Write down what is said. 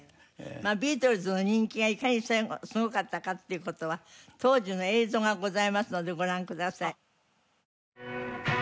ビートルズの人気がいかにすごかったかっていう事は当時の映像がございますのでご覧ください。